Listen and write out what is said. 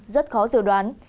rất khó dự đoán